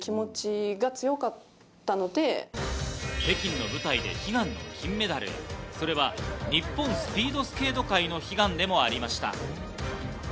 北京の舞台で悲願の金メダル、それは日本スピードスケート界の悲願でもありました。